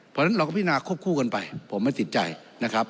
เพราะฉะนั้นเราก็พินาควบคู่กันไปผมไม่ติดใจนะครับ